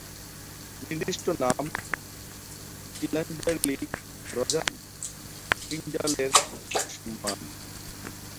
নির্দিষ্ট নাম, "টিন্ডাল্লি", রজার টিন্ডালের সম্মানে।